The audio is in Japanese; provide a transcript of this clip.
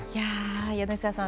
柳澤さん。